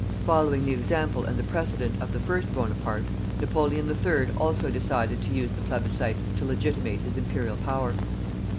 Following the example and the precedent of the first Bonaparte, Napoleon III also decided to use the plebiscit to legitimate his Imperial power.